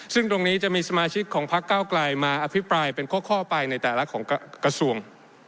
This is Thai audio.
ซึ่งตรงนี้จะมีสมาชิกของพักเก้าไกลมาอภิปรายเป็นข้อไปในแต่ละของกระทรวง